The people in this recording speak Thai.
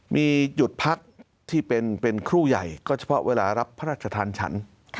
มีหยุดพักที่เป็นครูใหญ่ก็เฉพาะเวลารับพระราชทานฉัน